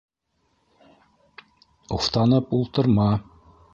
Уфтанып ултырма.